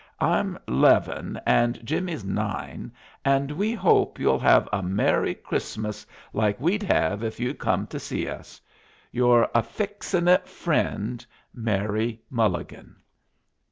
ime leven and jimmies nine and we hope youl hav a mery crismiss like wede hav if youd come to see us. "yure efexinite frend mary muligan.